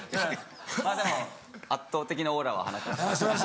でも圧倒的なオーラは放ってました。